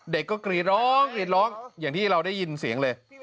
เด็กก็กรีดร้องกรีดร้องอย่างที่เราได้ยินเสียงเลย